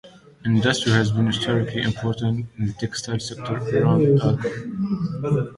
Industry has been historically important in the textile sector around Alcoy.